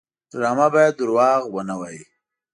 ډرامه باید دروغ ونه وایي